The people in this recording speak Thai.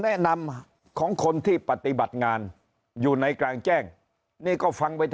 แนะนำของคนที่ปฏิบัติงานอยู่ในกลางแจ้งนี่ก็ฟังไป